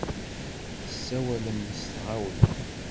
Tessawalem s tɣawla.